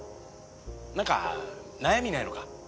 なんか悩みないのか？